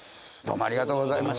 ありがとうございます。